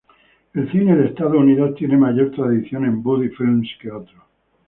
El cine de Estados Unidos tiene mayor tradición en Buddy films que otros.